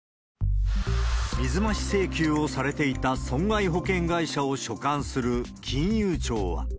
水増し請求をされていた損害保険会社を所管する金融庁は。